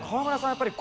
やっぱり。